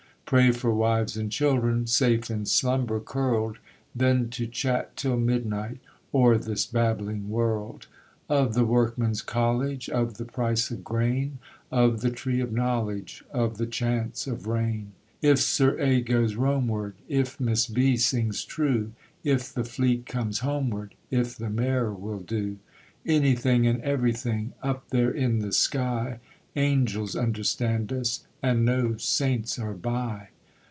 Pray for wives and children Safe in slumber curled, Then to chat till midnight O'er this babbling world Of the workmen's college, Of the price of grain, Of the tree of knowledge, Of the chance of rain; If Sir A. goes Romeward, If Miss B. sings true, If the fleet comes homeward, If the mare will do, Anything and everything Up there in the sky Angels understand us, And no 'saints' are by.